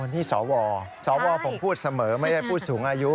นี่สวสวผมพูดเสมอไม่ได้ผู้สูงอายุ